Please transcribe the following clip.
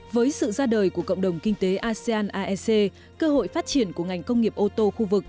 với sự ra đời của cộng đồng kinh tế asean aec cơ hội phát triển của ngành công nghiệp ô tô khu vực